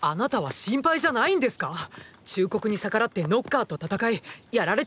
忠告に逆らってノッカーと戦いやられていたらどうするんです？